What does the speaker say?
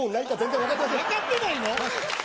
分かってないの？